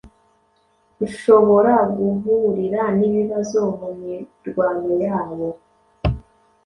ushobora guhurira n’ibibazo mu mirwano yabo.